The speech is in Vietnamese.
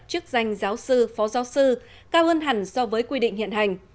chức danh giáo sư phó giáo sư cao hơn hẳn so với quy định hiện hành